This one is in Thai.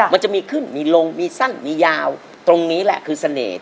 มันจะมีขึ้นมีลงมีสั้นมียาวตรงนี้แหละคือเสน่ห์